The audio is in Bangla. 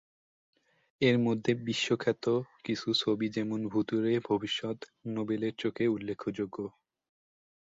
এরমধ্যে বিখ্যাত কিছু ছবি যেমন ভূতের ভবিষ্যত, নোবেল চোর উল্লেখযোগ্য।